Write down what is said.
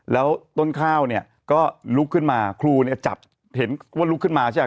แล้วต้นข้าวเนี่ยก็ลุกขึ้นมาครูเนี่ยจับเห็นว่าลุกขึ้นมาใช่ไหม